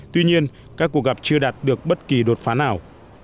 tuy nhiên các cuộc gặp chưa đạt được bất kỳ đột phá nào